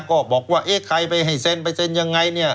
ก็บอกว่าใครไปให้เซ็นไปเซ็นยังไง